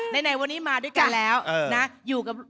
ไหนวันนี้มาด้วยกันแล้วนะ